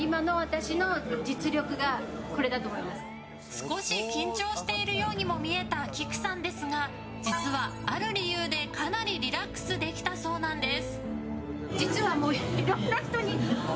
少し緊張しているようにも見えた、きくさんですが実はある理由でかなりリラックスできたそうなんです。